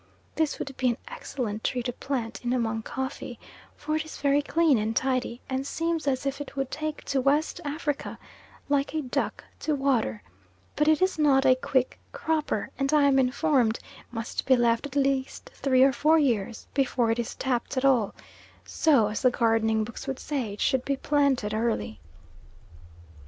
This would be an excellent tree to plant in among coffee, for it is very clean and tidy, and seems as if it would take to West Africa like a duck to water, but it is not a quick cropper, and I am informed must be left at least three or four years before it is tapped at all, so, as the gardening books would say, it should be planted early.